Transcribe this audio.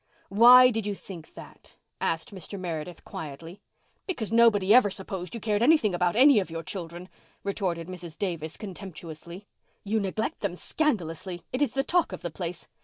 "Why did you think that?" asked Mr. Meredith quietly. "Because nobody ever supposed you cared anything about any of your children," retorted Mrs. Davis contemptuously. "You neglect them scandalously. It is the talk of the place.